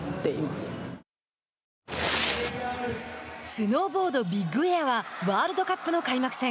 スノーボードビッグエアはワールドカップの開幕戦。